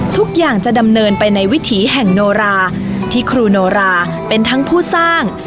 ทุกอย่างจะดำเนินไปในวิถีแห่งโนราที่ครูโนราเป็นทั้งผู้สร้าง